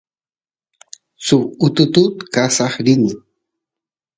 suk ututut kasay rini